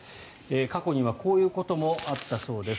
過去にはこういうこともあったそうです。